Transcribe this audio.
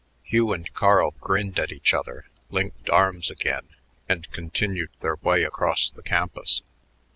Hugh and Carl grinned at each other, linked arms again, and continued their way across the campus.